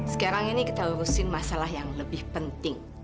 sekarang ini kita lurusin masalah yang lebih penting